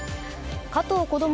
加藤こども